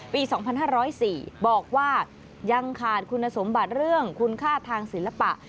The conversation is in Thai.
๒๕๐๔บอกว่ายังขาดคุณสมบัติเรื่องคุณค่าทางศิลปะ